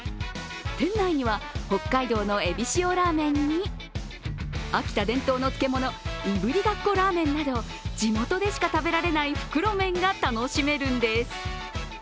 店内には北海道のえび塩ラーメンに、秋田伝統の漬物いぶりがっこラーメンなど地元でしか食べられない袋麺が楽しめるんです。